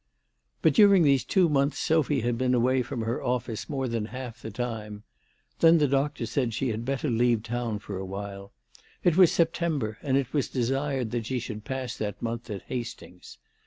But during these two months Sophy had been away from her office more than half the time. Then the doctor said she had better leave town for awhile. It was September, and it was desired that she should pass that month at Hastings.